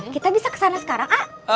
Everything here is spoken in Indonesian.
kita bisa ke sana sekarang a